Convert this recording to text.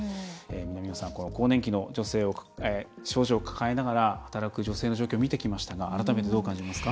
南野さん更年期の症状を抱えながら働く女性の状況を見てきましたが改めて、どう感じますか？